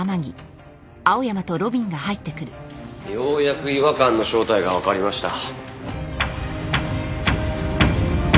ようやく違和感の正体がわかりました。